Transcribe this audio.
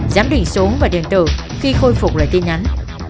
giám định số và điện tử khi khôi phục lại tin nhắn